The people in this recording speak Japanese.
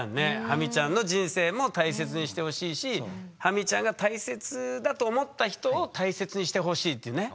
ハミちゃんの人生も大切にしてほしいしハミちゃんが大切だと思った人を大切にしてほしいってね。